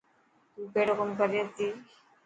تون ڪهڙو ڪم ڪري ٿي.